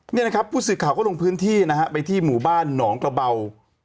นี่นะครับผู้สื่อข่าวก็ลงพื้นที่นะฮะไปที่หมู่บ้านหนองกระเบา